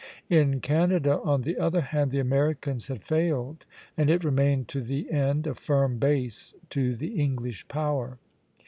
In Canada, on the other hand, the Americans had failed, and it remained to the end a firm base to the English power.